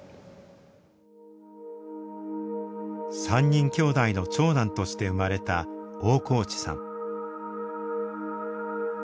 ３人きょうだいの長男として生まれた大河内さん。